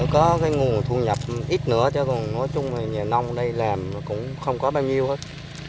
có cái nguồn thu nhập ít nữa chứ còn nói chung là nhà nông ở đây làm cũng không có bao nhiêu hết